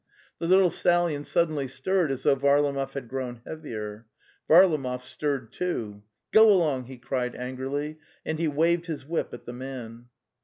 The little stallion suddenly stirred as though Varla mov had grown heavier. Varlamov stirred too. '""Go along!" he cried angrily, and he waved his whip at the man.